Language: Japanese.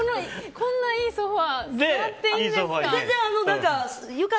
こんないいソファ座っていいんですか？